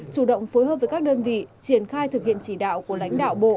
chủ động phối hợp với các đơn vị triển khai thực hiện chỉ đạo của lãnh đạo bộ